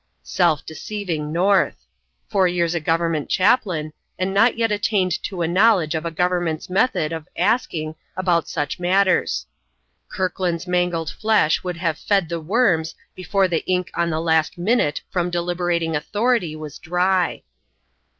Self deceiving North! Four years a Government chaplain, and not yet attained to a knowledge of a Government's method of "asking" about such matters! Kirkland's mangled flesh would have fed the worms before the ink on the last "minute" from deliberating Authority was dry.